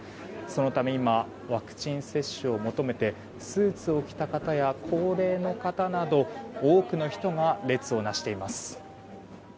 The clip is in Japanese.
そのため今、ワクチン接種を求めてスーツを着た方や高齢の方など多くの人が列をなしています。